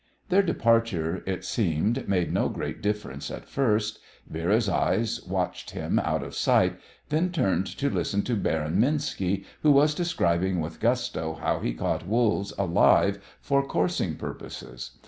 Their departure, it seemed, made no great difference at first. Vera's eyes watched him out of sight, then turned to listen to Baron Minski, who was describing with gusto how he caught wolves alive for coursing purposes.